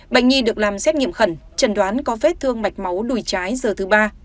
bệnh nhi được làm xét nghiệm khẩn trần đoán có vết thương mạch máu đùi trái giờ thứ ba